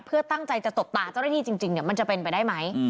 เพื่อตั้งใจจะตบตาเจ้าหน้าที่จริงมันจะเป็นไปได้ไหม